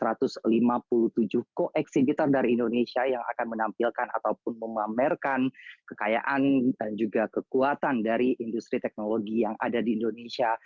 ada empat puluh tujuh co exhibitor dari indonesia yang akan menampilkan ataupun mengamerkan kekayaan dan juga kekuatan dari industri teknologi yang ada di indonesia